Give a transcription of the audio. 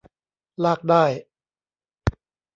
ลากได้